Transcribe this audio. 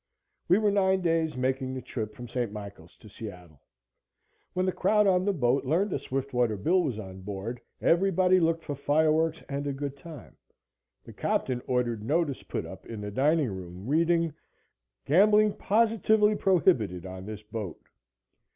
We were nine days making the trip from St. Michael to Seattle. When the crowd on the boat learned that Swiftwater Bill was on board, everybody looked for fireworks and a good time. The captain ordered notice put up in the dining room, reading: "Gambling positively prohibited on this boat."